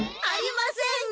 ありません。